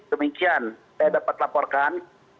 demikian saya dapat laporkan